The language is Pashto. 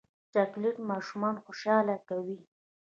چاکلېټ ماشومان خوشحاله کوي.